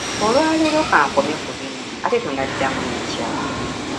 Olwaleero ka nkome ku bino ate tunaddamu enkya.